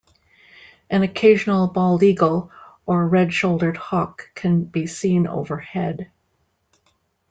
An occasional bald eagle or red-shouldered hawk can be seen overhead.